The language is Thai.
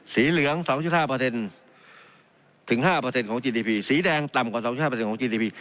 สีเหลืองสองจุดห้าเปอร์เซ็นต์ถึงห้าเปอร์เซ็นต์ของจีดีพีสีแดงต่ำกว่าสองจุดห้าเปอร์เซ็นต์ของจีดีพี